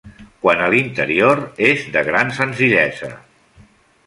Quant a l'interior, és de gran senzillesa.